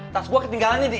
tas gua ketinggalan ya di